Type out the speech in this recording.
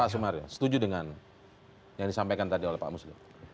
pak sumi arso setuju dengan yang disampaikan tadi oleh pak musli